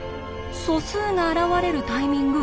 素数が現れるタイミング